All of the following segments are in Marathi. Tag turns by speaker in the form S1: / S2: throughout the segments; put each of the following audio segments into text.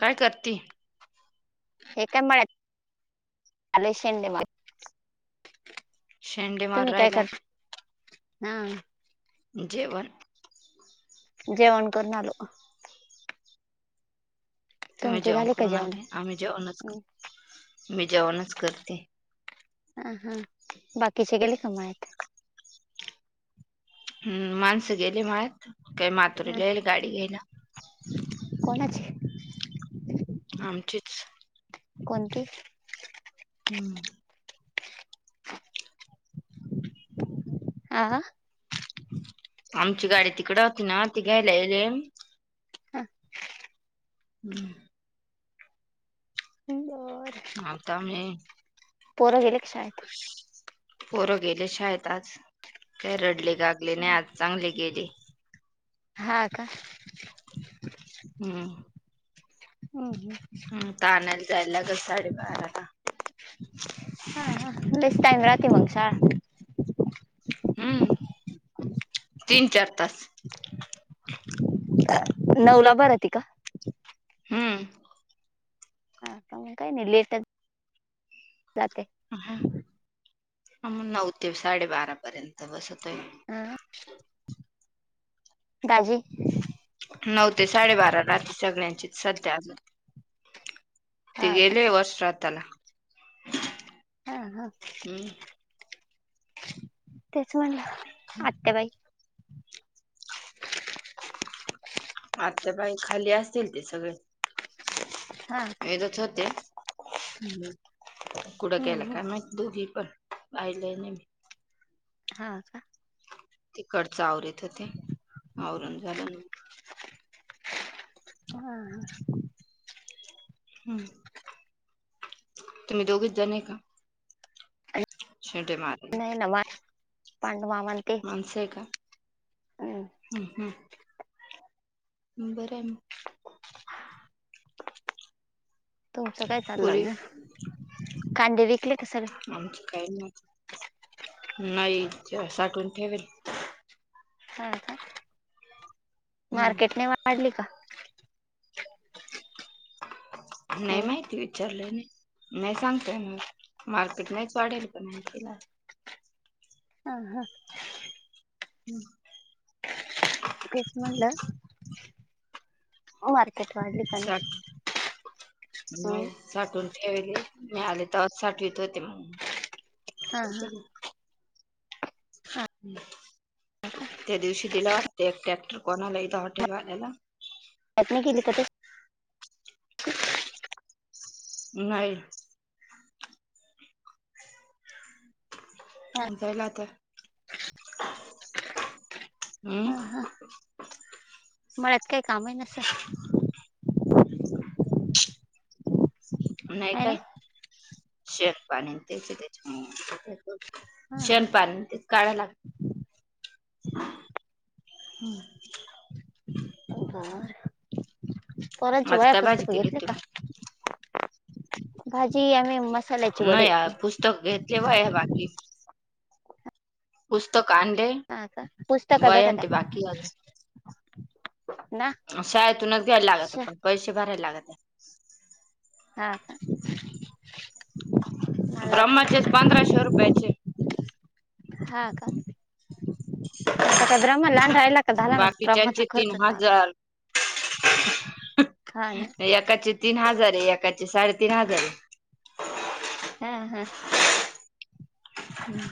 S1: काय करती
S2: हे काय म आलश मग
S1: ेंडी मारला
S2: हा
S1: जेवण
S2: जेवण करणालो
S1: ते मही
S2: तुमचे
S1: जेवण
S2: झाले का
S1: करून आले आम्ही जेवणच मी जेवणच करते
S2: ह हा बाकीच्याेगले कमेत
S1: हम् माणसं गेले माळ्यात काही मातरीलाईल गाडी घेयला
S2: कोण अचे
S1: आमचीच
S2: कोणती
S1: हम्म
S2: आ
S1: आमची गाडी तिकड होती ना ती घ्यायला याले हम्म
S2: ह
S1: आमता मी
S2: पोरं गेले का शाळेत
S1: पोरं गेले शाेत आता काय रडले गागले नाही आज चांगले गेले
S2: हा का हमज
S1: हम् तानायला जायला ग साडेबाराला
S2: हा ह बेस् टाम राात मंगसळा
S1: हम्म तीन चार तास
S2: नऊला बार त का
S1: हम्म
S2: हा काम काही नाही, लेटच जाते.
S1: हा म नऊ ते साडेबारापर्यंत बसतोय.
S2: अहं दाजी.
S1: नऊ ते साडेबारा रात्री सगळ्यांचीच सध्या अजून ते
S2: हा का
S1: गेले वर्ष श्राधाला
S2: हा हा
S1: हम्म
S2: तेच म्हणलं आते बाई
S1: आत्या बाई खाली असतील ते सगळे
S2: हा
S1: येतच होते. हम् कुट
S2: हम्म,
S1: गेल्या
S2: हम्म.
S1: काय माहित दोघी? पण पाह्यलय ना मी.
S2: हा का?
S1: तिकडच आवरीत होते. आवरून झालं न म
S2: [unintelligible] हा-
S1: हम् [inaudible] तुम्ही दोघजन आहे का, [inaudible] शेटे मारीन,
S2: [inaudible] पाण
S1: मानस आहे का
S2: हम्म.
S1: [inaudible] हम् हम्म- [inaudible] बरं आहे. [inaudible]
S2: तुमचं काय चाललंय आजुन [inaudible]
S1: [inaudible] आमच काही नाही [inaudible] नाही साठवण ठेवेल- [inaudible]
S2: हा का [inaudible]
S1: हम्म
S2: मार्केट नाही वाढली का- [inaudible]
S1: नाही
S2: हम्म
S1: माहिती विचारले नाही. [inaudible] नाही सांगता येणार [inaudible] मार्केट नाहीच वाढेल पण तिला,
S2: हा- हा [inaudible]
S1: [inaudible]
S2: [inaudible] तेच म्हंटला, [inaudible] - [unintelligible] ताट वाढली का
S1: साठ
S2: नाही [inaudible] हम-
S1: यायले मी आले तेव्हा साठवीत होते मग [inaudible] -
S2: हा हा
S1: [unintelligible]
S2: हा
S1: [inaudible] त्या दिवशी दिला वाटते एक ट्रॅक्टर कोणाला इथं हॉटेल वाल्याला,
S2: मळ्यात नाही गेली [inaudible]
S1: नाही. [inaudible]
S2: हा
S1: पाहिला तर [inaudible]
S2: हा हा
S1: हम्-
S2: मळ्यात काय कामही नसलं, [inaudible]
S1: नाही काय [inaudible] शेतपाणी त्याच आहे त्याचं मु
S2: हा हा
S1: शेणपाणी ते काढाय लागत.
S2: बाळ पोरांची
S1: आज
S2: वह्या,
S1: काय भाजी
S2: पुस्तक
S1: केली
S2: घेतली का?
S1: तुम्ही
S2: भाजी आम्ही मसाल्याचे वडे
S1: नाही पुस्तक घेतल वह्या बाकी आहे. पुस्तक आणले
S2: हा का पुस्तकं
S1: वह्या आणि
S2: भेटत्या
S1: ते
S2: का
S1: बाकीआहे अजून
S2: ना
S1: शाळेतूनच घ्यायला
S2: श
S1: लागतं पण पैसे भरायला लागतं.
S2: हा का. मला वाटलं
S1: ब्रह्माचेच पंधराशे रुपयाचे
S2: हा का. मग आता काय ब्रह्मा लहान राहिला का झाला ना ब्रह्माचा
S1: बाकीच्यांचे तीन
S2: खर्च चालु
S1: हजार एकाचे तीन हजार एकाचे साडेतीन हजार आहे.
S2: हा हा.
S1: हम्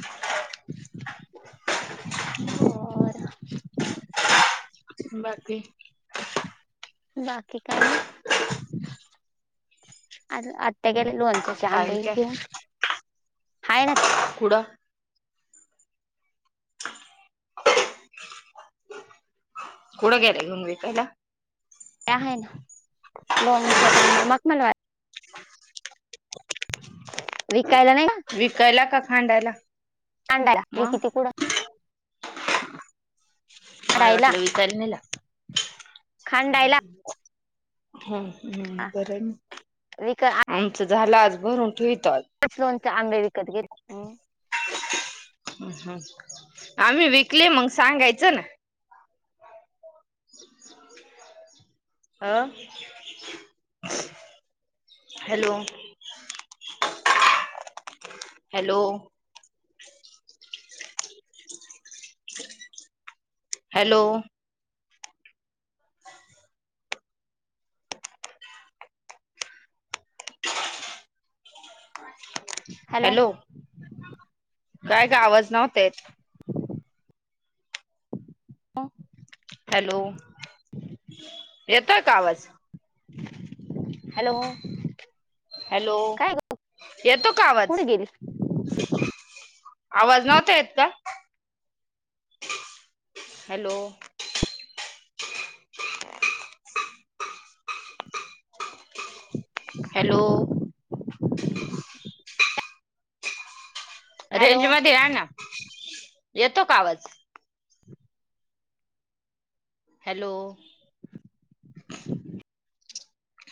S2: हो रं
S1: बाकी
S2: बाकी काय नाही अगं आत्या केलेल्या लोणच्याचे
S1: आणि
S2: आंबे
S1: काय
S2: घेऊन हाय ना
S1: कुडं कुठ गेलाय घेऊन विकायला
S2: ते आहे ना लोणच्याचा आंबा मगमल वा विकायला नाही
S1: विकायला का खांडायला [inaudible]
S2: अांडाला
S1: मग
S2: विकिती कड [inaudible]
S1: मला वाटलं विकायला नाहीला
S2: खांडायला
S1: हम् [inaudible] हम्
S2: हा,
S1: बरं आमचं झालं आज भरून उठ [inaudible]
S2: दोन आंबे विकत गेले [inaudible]
S1: ह् -हम् आम्ही विकली मंग सांगायचं ना [inaudible] अा [unintelligible] हॅलो [inaudible] हॅलो [inaudible] हॅलो [unintelligible]
S2: हॅलो [inaudible]
S1: काय काय ग आवाज नव्हता येत [inaudible]
S2: हो [inaudible]
S1: हॅलो येताय का आवाज [inaudible]
S2: हॅलो [inaudible]
S1: हॅलो
S2: काय ग?
S1: येतो का आवाज
S2: कुठे गेली
S1: [inaudible] आवाज नव्हता येत का हॅलो [inaudible] हॅलो [unintelligible] रेंज
S2: हॅलो
S1: मध्ये यानाना येतो कावाज [inaudible] हॅलो [unintelligible]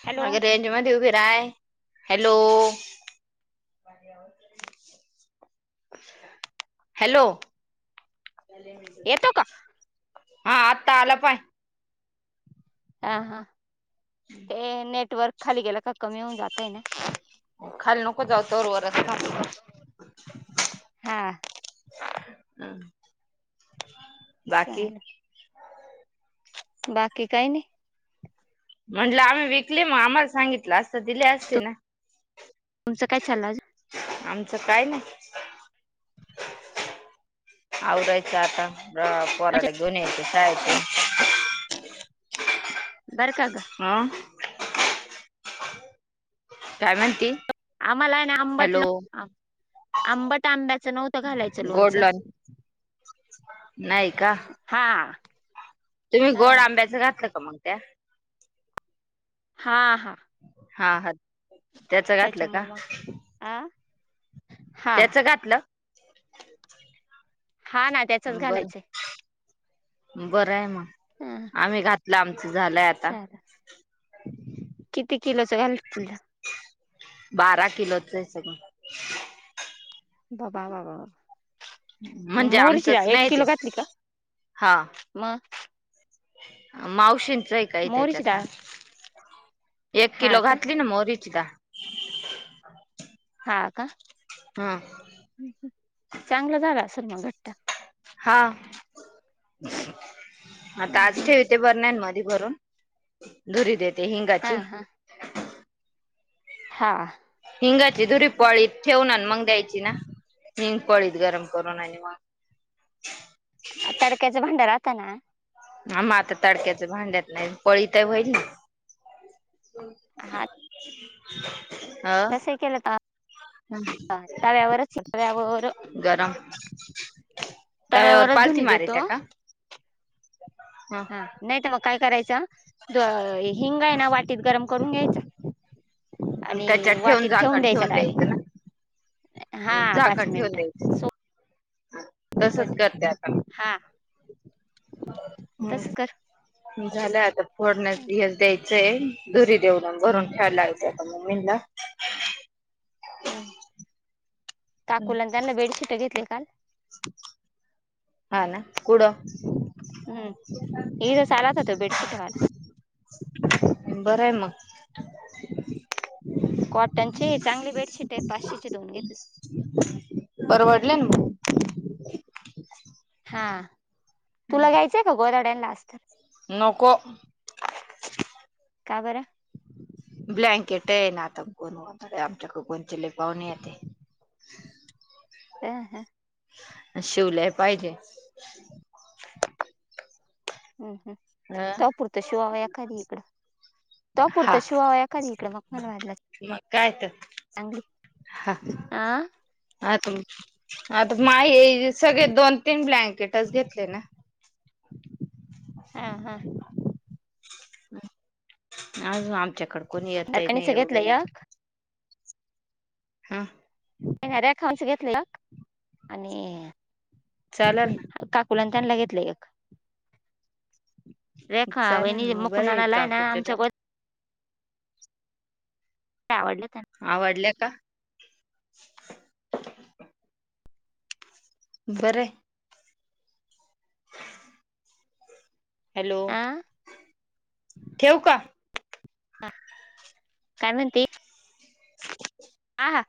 S2: हॅलो
S1: अग रेंज मध्येदे ऊभी [inaudible] काय हॅलो [inaudible] हॅलो [inaudible]
S2: येतो का
S1: हा आत्ता आला पण [inaudible]
S2: हा हा ते नेटवर्क खाली गेला का कमी होऊन जातय ना-
S1: खाली नको जावू तोरवर वरच
S2: हा
S1: [inaudible] हम् [inaudible] बाकी [inaudible]
S2: चालेल बाकी काही नाही [inaudible]
S1: म्हटलं आम्ही विकली मग आम्हाला सांगितलं असता दिले असते
S2: तु-
S1: ना [inaudible]
S2: तुमचं काय चाल अजू [inaudible]
S1: अमच काय नाय [inaudible] आ्वरयच त आता पोराला
S2: अजून?
S1: घेवुन यायच शाळेतून
S2: बरं का ग
S1: हम [inaudible] काय म्हणती [inaudible]
S2: आम्हाला
S1: हॅलो
S2: आंबटलो [inaudible] आंबट आंब्याचं नव्हतं घालायचं
S1: गोड
S2: लोणचं
S1: लॉन
S2: [inaudible]
S1: नाही का [inaudible]
S2: हा
S1: तुम्ही
S2: हा
S1: गोड आंब्याचं घातलं का मग त्या [inaudible]
S2: हा हा [inaudible]
S1: हा -हा त्याच घातलं का
S2: त्याच्यामुळे
S1: [inaudible]
S2: मग आ हा
S1: त्याच घातलं [inaudible]
S2: हा ना त्याचच
S1: बर
S2: घालायचं [inaudible]
S1: बरं आहे मग
S2: हा
S1: आम्ही घातलं आमचं झालंय आता [inaudible]
S2: चालेल किती किलोचं घाल तुला [inaudible]
S1: बारा किलोच आहे सगं-
S2: बाबा बाबा [inaudible] म
S1: म्हणजे
S2: मोरची द्या
S1: आमचंच
S2: एक
S1: नाही ते
S2: किलो घातली का मग [inaudible]
S1: माऊ [inaudible] का
S2: मोहरीची
S1: त्याच्यात
S2: डाळ
S1: एक
S2: हा
S1: किलो
S2: का
S1: घातली मो [inaudible] क का
S2: हा का चांगलं झालंेल मग घट्ट
S1: हा आता आज ठेवते बर नाहीन म भून धुरी देते
S2: हा
S1: हिंगाची
S2: हा हा
S1: हिंगाची दुरी पळी ठेवणार मग द्यायची ना ह पळीच गरम करो ना वा
S2: तडक्याचं भांडार राहताना
S1: आ मा तर तडक्याच भांड्याेत नाही पोळी तर होईल ना हो
S2: जसे केलं तर तव्यावरचव्यावरवर
S1: गरम तव्यावर
S2: तळ्यावरर
S1: पालथी
S2: धुनी देतो
S1: मारित्या का ह
S2: हा नाही तर मग काय करायचं हिंग आहे ना वाटीत गरम करून घ्यायच
S1: प त्याच्यात ठेवून जाकण ठेवून
S2: डायरेक्ट
S1: द्यायचं ना
S2: हा
S1: म्ह
S2: पाच
S1: झाकण ठेवून द्यायचं
S2: मिनिटं सोपे
S1: तसच
S2: पद्धत
S1: करते आ
S2: हा तसच कर
S1: हम्म झालं आता फोडण्यास द्यायचंय दुरी देऊन भरून ठेयला लागयच वींद
S2: हम्म काकूलान त्यांना बेडशीट घेतली काल
S1: हा ना कुडं
S2: हम्म एक सलाततो बेडशीटवाला [inaudible]
S1: [inaudible]
S2: कॉटनचे चांगले बेडशीट आहे पाचशेचे दोन घेतले
S1: परवडले ना मग [inaudible]
S2: हा तुला घ्यायचंय का गोदाड्यांला असत
S1: नक
S2: कागरा
S1: ब्लँकेट आहे ना आता कोणगरे आमच्याकडे कोणचे लले पावणी येते
S2: हा हा
S1: शिवल्याय पाहिजे
S2: हम् हम्
S1: अ
S2: त अपुरतं शिवावया कधी इकडं तो पुरत
S1: हा
S2: शिवावाया कधी इकड मखमलबादला
S1: मग काय तर
S2: चांगली
S1: हा
S2: आ
S1: आता आता माय सगळे दोन तीन ब्लँक क्रिकेटच घेतले ना
S2: हा हा
S1: अजून आमच्याकड कोणी येतही नाही
S2: नरकणीचं घेतलं
S1: एवढेल
S2: एक
S1: हा
S2: नाही रेखच घेतले आणि
S1: चाला ना
S2: मुंलंनत्यानला घेतली एक रेखा
S1: चालेल ना
S2: वणी
S1: मग बरं
S2: मुकुनाला आहे ना
S1: काकू तुला
S2: आमच्या आवडल्या
S1: आवडल्या का बरं. हॅलो
S2: त्यांना आ
S1: ठेव का?
S2: काय म्हती.
S1: [unintelligible]
S2: हा हा.